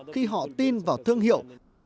khi họ tin vào thương hiệu